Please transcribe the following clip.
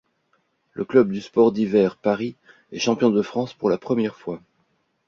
Le club du Sports d’Hiver Paris est champion de France pour la première fois.